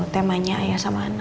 temanya ayah sama anak